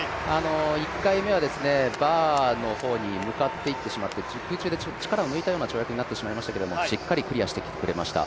１回目はバーの方に向かっていってしまって、空中で力を抜いたような跳躍になってしまいましたがしっかりクリアしてくれました。